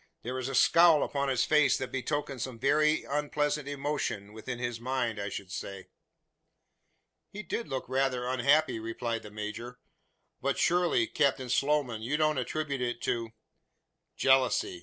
"There was a scowl upon his face that betokened some very unpleasant emotion within his mind, I should say." "He did look rather unhappy," replied the major; "but surely, Captain Sloman, you don't attribute it to ?" "Jealousy.